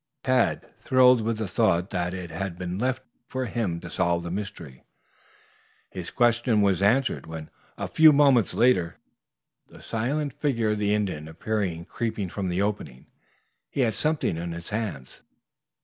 Tad thrilled with the thought that it had been left for him to solve the mystery. His question was answered when, a few moments later, the silent figure of the Indian appeared creeping from the opening. He had something in his hands.